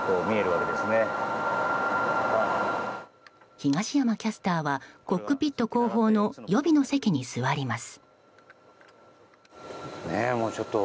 東山キャスターはコックピット後方の予備の席に座ります。